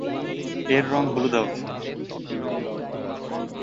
এর রং হলুদাভ।